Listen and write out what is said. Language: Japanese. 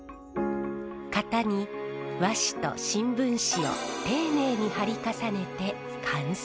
型に和紙と新聞紙を丁寧に貼り重ねて乾燥。